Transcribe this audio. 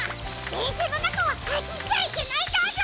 でんしゃのなかははしっちゃいけないんだぞ！